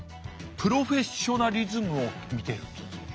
プロフェッショナリズムを見てるっていうんですよ。